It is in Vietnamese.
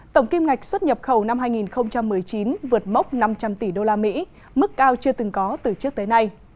tổng kim ngạch xuất nhập khẩu năm hai nghìn một mươi chín vượt mốc năm trăm linh tỷ usd mức cao chưa từng có từ trước tới nay